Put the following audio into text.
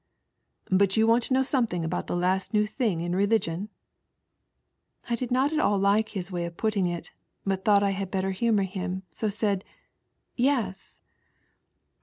" But you want to know something about the last new thing in religion ?" I did not at all like his way of putting it, but thought I had better humour him, so said " Yes."